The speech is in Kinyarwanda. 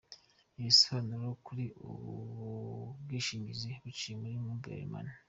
Ibisobanuro kuri ubu bwishingizi buciye muri Mobile Money.